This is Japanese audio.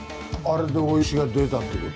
あれでお許しが出たっていう事？